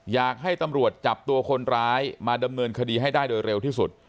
อยากให้ตำรวจจับตัวคนร้ายมาดำเนินคดีให้ได้โดยเร็วที่สุด